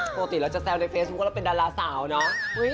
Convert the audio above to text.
ปกติเราจะแซวในเฟซมึงก็เป็นดาราสาวเนาะ